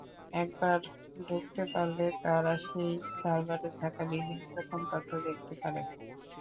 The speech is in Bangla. একবার ঢুকতে পারলে তারা সেই সার্ভারে থাকা বিভিন্ন গোপন তথ্য দেখতে পারে।